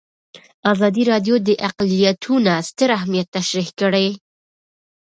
ازادي راډیو د اقلیتونه ستر اهميت تشریح کړی.